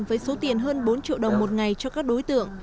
với số tiền hơn bốn triệu đồng một ngày cho các đối tượng